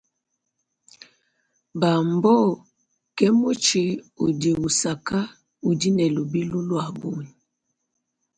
Bamboo ke mutshi udi usaka udi ne lubilu lua bungi.